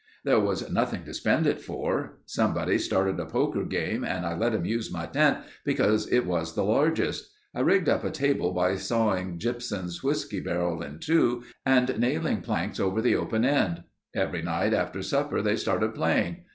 There was nothing to spend it for. Somebody started a poker game and I let 'em use my tent because it was the largest. I rigged up a table by sawing Gypsum's whiskey barrel in two and nailing planks over the open end. Every night after supper they started playing.